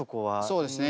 そうですね